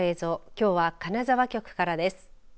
きょうは金沢局からです。